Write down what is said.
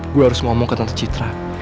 gue harus ngomong ke tentang citra